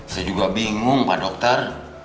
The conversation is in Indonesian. saya juga bingung pak dokter